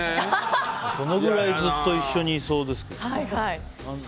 そのくらいずっと一緒にいそうですけど。